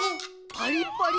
パリッパリ。